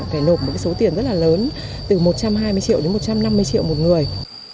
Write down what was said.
phải nộp một số tiền rất là lớn từ một trăm hai mươi triệu đến một trăm năm mươi triệu một người